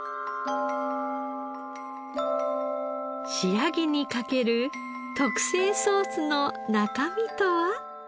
仕上げにかける特製ソースの中身とは？